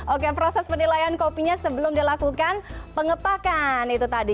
oke proses penilaian kopinya sebelum dilakukan pengepakan itu tadi